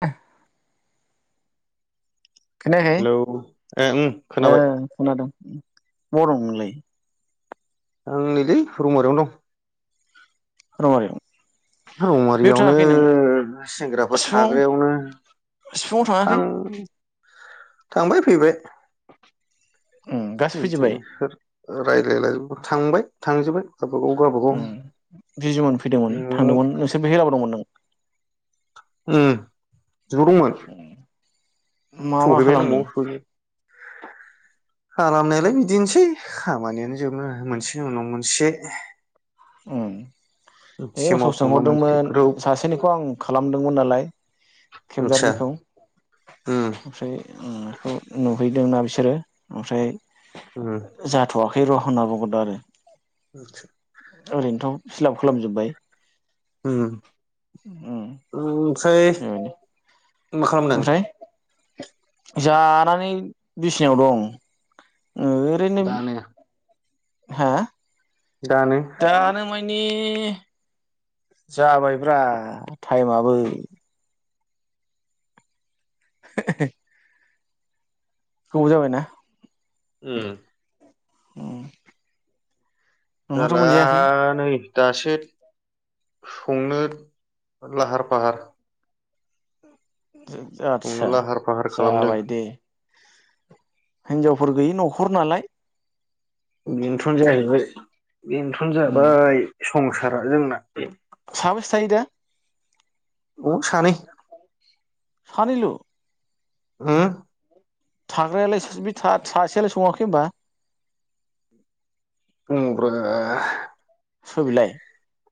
दा [inaudible] खोनायाहाय हेलौ ए उम ओ खोनाबाय खोना दों बहा दं नोंलाय आं नैलै रौमारियावनो दं रौमारि रौमारियावनो सेंग्राफोर सिफुङाव थाग्रायावनो सिफुङाव थां थाङाखै थांबाय फैबाय [inaudible] गासै फैजोबबाय मिथिनोफोर रायलायनानैबो थांबाय थांजोबबाय उम बिजुमोन फैदोंमोन न'आव थांदोंमोन नोंसोर [unintelligible] दंमोन नों उम ज दंमोन मा मा सहैबाय खालामदों नआव सहैनाय खालामनायालाय बिदिनोसै खामानियानो जोबनो रोङा मोनसेनि उनाव मोनसे उम ओइ मोनसे असक मावखांबा मोनसे सोंहरदोंमोन ग्रोब सासेनिखौ आं खालामदोंमोन नालाय आदसा खेबदारनिखौ उम ओमफ्राय उम खौ नुहैदोंना बिसोरो ओमफ्राय उम जाथ'वा सै र होनना बुंहरदों आरो आतसा ओरैनोथ' फिलाब खालामजोब्बाय उम उम औ सै बेबायदि नों मा खालामदों? ओमफ्राय [unintelligible] जानानै बिसिनायाव दं। ओरैनो दानो हा दानो नि जाबायब्रा टाइमाबो [unintelligible] गोबाव जाबायना उम उम नोंहाथ' जाला मोनजायाखै नै दासो संनो लाहार फाहार संनो आदसा लाहार फाहार खालामदों जाबाय दे हिनजावफोर गैयि न'खर नालाय बेनोथ' जाहैबाय बेनोथ' उम जाबाय संसारा जोंना साबेसे थायो दा? अ सानै सानैल' उम थाग्रायालाय बे सासेयालाय सङाखै होमबा? ओं ब्रा स' बिलाय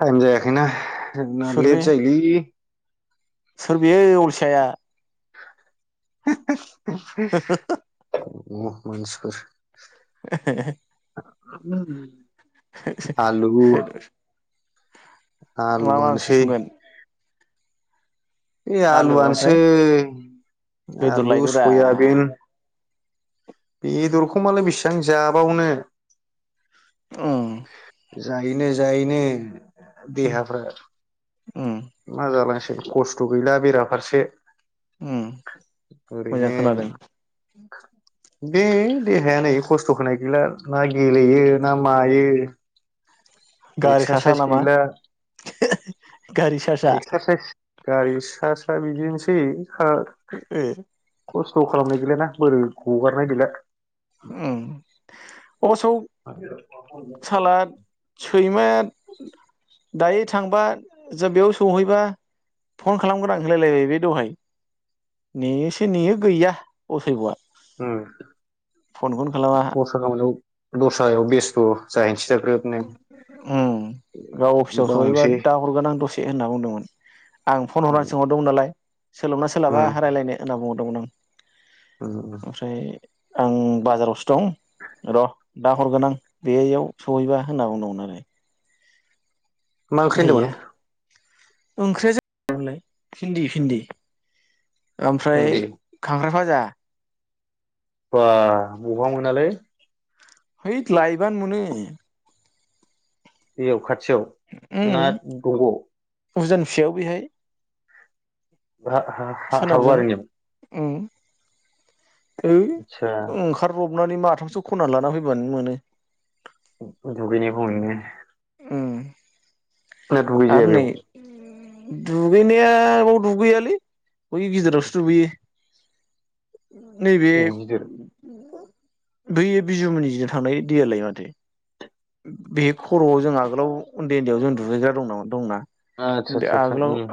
टाइम जायाखैना। जोंना लेट जायोलै। सोर बेयो अलसिया आ? [unintelligible] एकट्रिस [unintelligible] अ मानसिफोर [unintelligible] [unintelligible] आलु मा मा ओंख्रि आलुआनोसै संगोन? बे आलु आलुआनोसै ओमफ्राय बेदर आलु लायदोब्रा सयाबिन बेदरखौ मालाय बेसिबां जाबावनो औ जायैनो जायैनो उम देहाफ्रा उम मा [unintelligible] कसत' गैला बेराफारसे ओ ओरैनो मोजां खोनादों [inaudible] बे देहाया नै खस्थ' [unintelligible] गैला ना गेलेयो ना मायो गारि सा सा एक्सारसाइस नामा गैला गारि सा सा एक्सारसाइज गारि सा सा बिदिनोसै [unintelligible] ओ खस्थ' खालामनाय गैलायना बोरै हगारनाय गैला ओम [unintelligible] साला सैमा दायो थांबा जों बेयाव सहैबा फन खालामगोन आं होनलायलायबाय बे दहाय नेयोसो नेयो गैया असयब'आ ओ फनखौनो खालामा दस्रायाव बेस्थ' जाहैनोसै दां ग्रोबनो उम बावनोसै से होनना बुंदोंमोन आं फन उम हरनानै सोंहरदोंमोन नालाय सोलाबोना सोलाबा रायलायनो होनना बुंहरदों। [unintelligible] ओ आं बाजारावसो दं र' दा हरगोन आं बैयाव सहैबा होनना बुंदोंमोन आरो मा ओंख्रि होनदोंमोन गैया ओंख्रिया [unintelligible] भिनदि भिनदि ओमफ्राय भिन्दि खांख्राइ भाजा बा बबेबा मोनालै है लायबानो म [unintelligible] [unintelligible] उजन फिसायाव बेहाय [unintelligible] ओम है आदसा ओंखारब्रबनानै मा [unintelligible] खनना लाना फैबानो मोनो दुगैनाय भावैनो। ओम [unintelligible] दुगैनाया बाव दुगैयालै बै गोजानावसो दुगैयो नैबे [unintelligible] बैयो बिजुमोननिजो थानाय दैयालाय माथो बे खर'आव जों आगोलाव उन्दै उन्दैयाव जों दुगैग्रा दं नामा दंना आतसा आतसा आतसा आगोलाव ओ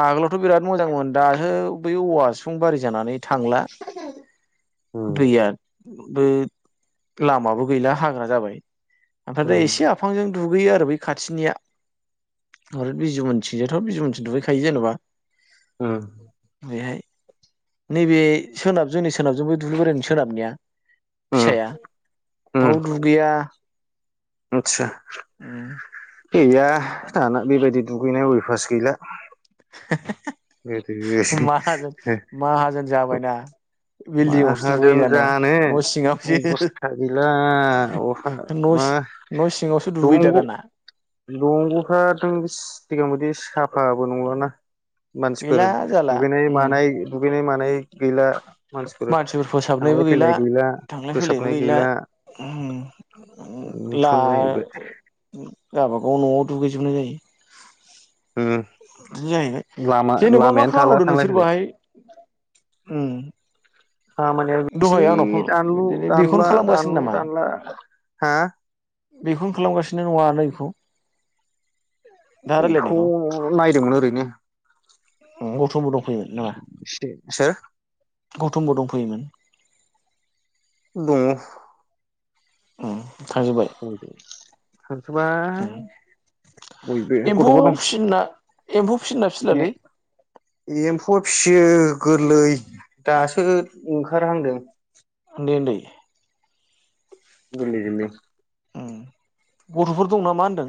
आगोलावथ बिराद मोजांमोन दासो बै औवा सिफुं बारि जानानै थांला दैया बे लामाबो गैला हाग्रा जाबाय ओमफ्राय दा उम एसे आफांजों दुगैयो आरो बै खाथिनिया ओ बिजमोननथिंजाथ' बिजमोननथिं दुगैखायो जेनेबा उम बेहाय नैबे सोनाब जोंनि सोनाबजोंबो दुब्लि बारिनि सोनाबनिया उम उम फिसाया बाव दुगैया आतसा उ गैया थाना बेबायदि दुगैनाय अय फास गैला हे हे गोदो माहाजोन माहाजोन जाबायना बिल्डिंआवसो माहाजोन दुगैयो दाना जानो न' सिङावसो अबस्था गैला अहा न' मा न' सिङावसो दुगैयो दा दंग दाना दंगफ्राथों आ बिदि साफाबो नंलााना मानसिफोर गैला जाला दुगैनाय उम मानाय दुगैनाय मानाय गैला मानसिफोर थांलाय फोसाबनायबो गैला फैलाय थांलाय फैलायबो फोसाबनाय गैला उ थन जाहैबाय गाबगाव न नआव दुगैजोबनाय जायो जाहैबाय लामा जेनेबा मा लामायानो खामानि थाला मावदों थांलाय नोंसोर फैलाय बाहाय खामानिया दहाय आंनाव बेनोसैलै फन दानलु बिदिनो बेखौनो दानला खालामगासिनो दानलु नामा दानला हा बेखौनो खालामगासिनो नङा नै बेखौ बेखौ नायदोंमोन ओरैनो मथुम बो दं फैयोमोन नामा एसे सोर गौथुमबो दंफैयोमोन दङ ओ थांजोसाय उम बयबो एम्फौ गथफोर दं फिसिना एम्फौ फिसिना फिसिलालै एम थ फियो गोरलै दासो ओंखारहांदों उन्दै उन्दै गोरलै गोरलै गथफोर दं नमा होनदों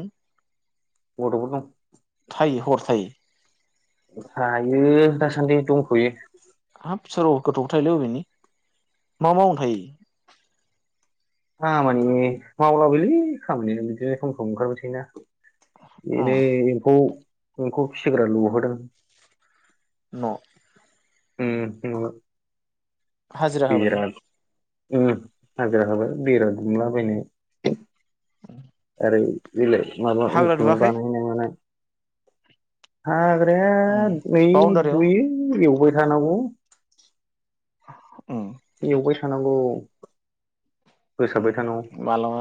गथफोर दं थायो हर थायो हायो दासान्दि दंथयो हाब सोर गथ'फोर थायोलै अबेनि मा मावनो थायो? खामानि मावलाबोलै खामानियानो बिदिनो सम सम ओंखारबाय थायोना उम एनो एखौ एमफौ फिसिग्रा लुहोदों न' ओम हाजिरा होबाय ओम हाजिरा होबाय बेरा दुमलाबायनाय ओमफ्राय इलाय माबा हाग्रा दुवाखै बानायनाय मानाय हाग्रा उम या बाउण्डारियाव दुयो एवबाय [unintelligible] [inaudible] एउबाय थानांगौ ओम फोसाबबाय थानांगौ मालाबा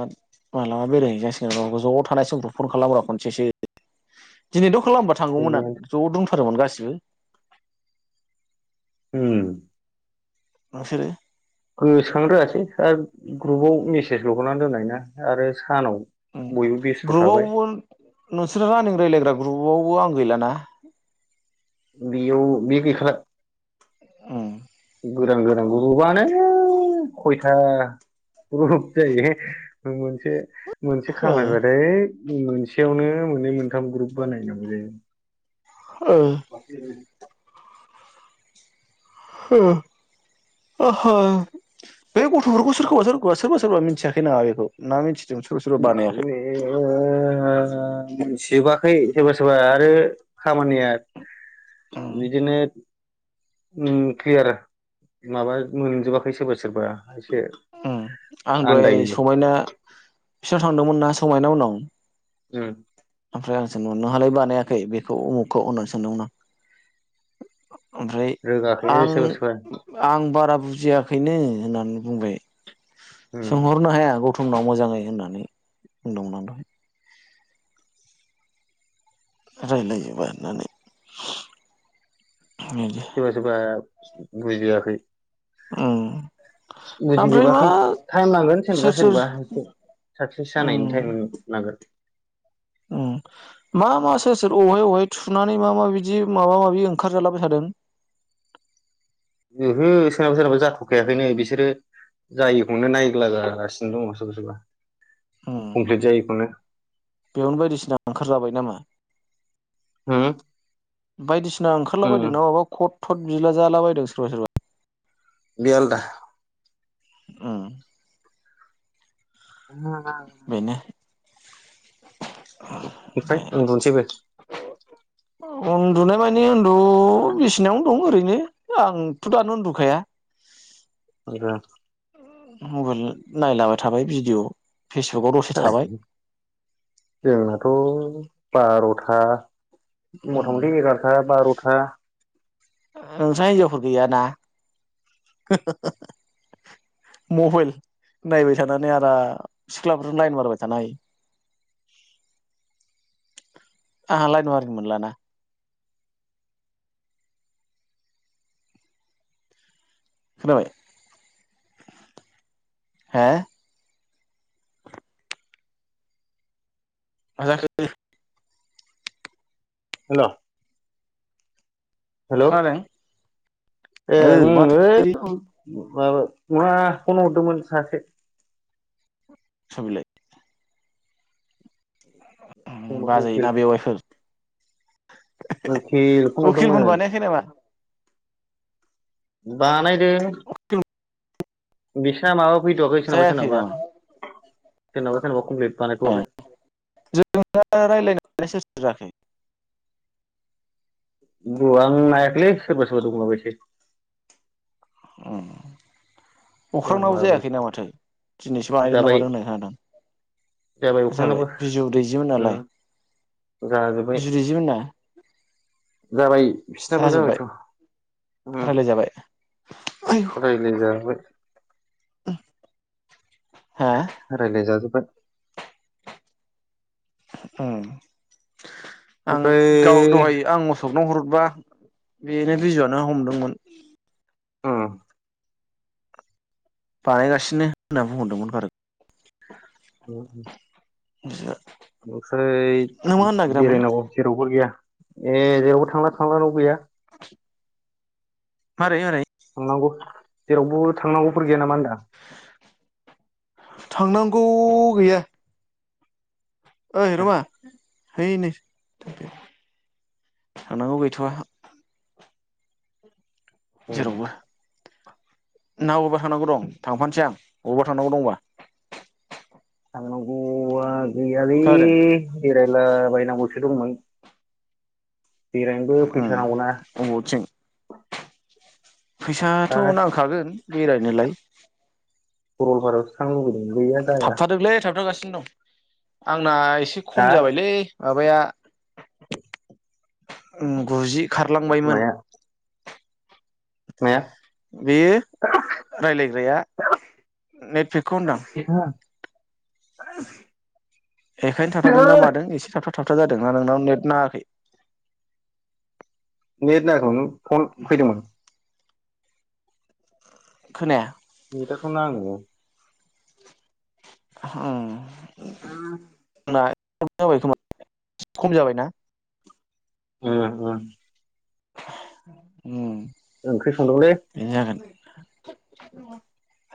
मालाबा बेरायहैजासिगोन ज ज' थानाय समफ्राव खल खालामब्रा खनसेसो दिनैथ' खालामबा थांगौमोन आं सैमायानो ज' दं दंमोन गासिबो होम नोंसोरो गोसोखांनो रोङासै आरो ग्रुपाव मेसेज ल हरना दोननाय ना आरो सानाव बयबो बेस्थ' थाबाय नोंसोरो रानिं रायज्लायग्रा ग्रुपआवबो आं गैलाना बेयाव बेयो गैखाला ओम गोदान गोदान ग्रुपानो खयथा ग्रुप जायो मोनसे मोनसे ओ खामायबाथाय मोनसेयावनो मोननै मोनथाम ग्रुप बानायनांगौ जायो हो ओहो बे गथ'फोरखौ सोरखौबा सोरखौबा सोरबा सोरबा मिथियाखै नामा बेखौ ना मिथियो ओ मोनथिजोबा सोरबा सोरबा आरो खामानिया उम बिदिनो ओम क्लियार माबा मोनजोबाखै सोरबा सोरबा एसे ओम आं दहाय आन्दायो समायना बिसिनाव थांदोंमोन ना समायना मोननाव जोङो ओफ्राय आं सदोंमोन नोंहालाय बानायाखै बेखौ उमुखखौ होननानै सानदोंमोन आं ओमफ्राय रोङाखैनो आं सोरबा सोरबा आं बारा बुजियाखैनो होननानै बुंबाय। उम सोंहरनो हाया गथ समाव मोजाङै होननानै बुंदोंमोन। रायलायजोबाय होननानै बिदि सोरबा सोरबा बुजियाखै उम ओमफ्राय मा बुजिजोबाखै टाइम नांगोन सोर सोरबा सोर सोरबा साक्सेस जानायनि टाइम नांगोन उ ममा मा सोर सोर अहाय अहाय थुनानै मा मा बिदि माबा माबि ओंखारजालाबाय थादों। ओहो सोरनाबा सोरनाबा जाथ'खायाखैनो बिसोरो जायखौनो नायग्ला जागासिनो दङ सोरबा सोरबा उम कमप्लिट जायोखौनो। बेयावनो बायदिसिना ओंखारजाबाय नामा? होम? बायदिसि सिना ओंखारलाबायदोंना माबा कट थट बिला जाला बदों सोरबा सोरबा। बे आलदा ओम बेनो [inaudible] [inaudible] ओमफ्राय उन्दुनोसैबो? उन्दु नाय माने उनदु बिसिनायावनो दं ओरैनो आंथ' दानो उन्दुखाया [inaudible] मबाइल नायलाबाय थाबाय भिडिअ फेसबुकाव दसे थाबाय जोंनाथ' बार'था मथा मथि ओमफ्राय एगार'था बार'था नोंस्रा हिनजावफोर गैयाना मबाइल नायबाय थानानै आरो सिख्लाफोर लाइन मारबाय थानो हायो। आंहा लाइन मारिनो मोनला ना खोनाबाय ‌हो मा थाखो हेलौ हेल' खोनादों ए ओ माथो बिदि उम माबा मा फन हरदोंमोन सासे सबिलाय बाजै उखिल ना बेवाइफोर उखिल पन उखिलमोन हरदोंमोन। बानायाखै नामा बानाय दो बिसिना माबा फैथ'आखै सोरनाबा जायाखै सोरनाबा नामा सोरनाबा सोरनाबा खमफ्लित ए जों दा रायज्लायनाया सोर सोर जाखो? [unintelligible] गु आं नायाखैलै सोरबा सोरबा दुलाराय थायो [inaudible] अख्रांनाव दंलाबायसो जायाखैनो माथो दिनैसिम बानायदों ना जाबाय मादों होननाय खोनादों आं ना जाबाय बिजौ दैजिमोन उम नालाय जाजोब्बाय बिजु दैजिमोन ना? जाबाय बिसिनाबो जाजोबबाय जाबायथ' रायलाय जाबाय हा रायलाय जाबाय रायलाय जाजोब [inaudible] उम आं गाव ओमफ्राय दहाय आं मोसौनाव हरबा बेनो बिजुआनो हमदोंमोन। उम बानायगासिनो होनना बुंहरदोंमोन बारु [inaudible] जोंसा [unintelligible] ओमफ्राय बेरायनांगौ जेरावबो गैया ए जेरावबो थांला थांला नांगौ गैया [inaudible] मारै मारै थांनांगौ जेरावबो थांनांगौफोर गैया नामा होनदां? थांनांगौ गैया ओइ र'मा है नै थानांगौ गैथ'वा उम जेरावबो ना बबावबा थांनांगौ दं थांफानोसै आं बबावबा थांनांगौ दंबा थांगौआ गैयालै खोनादों बेराय ला बायनांगौसो दंमोन। बेरायनोबो उम फैसा नांगौना। अबावथिं फैसाथ' दा नांखागोन बेरायनोलाय। सरलपारायावसो थांनो लुगै दों गैया जाया। सिनो दं आंना आइ से खम हा जाबायलै माबाया उम गुजि खारलांबायमोन। माया? बेयो रायलायग्राया नेटफेकखौ होनदां। [inaudible] बेखायनो थाबथादों ना मादों एसे थाबथा थाबथा जादों ना नोंनाव नेट नाङाखै? नेेथ नाङाखौनु फन फैदोंमोन। खोनाया। [unintelligible] हम [inaudible] जाबाय खोमा खम जाबायना उम उम उम ओंख्रि संदोंलै। बेनो [inaudible]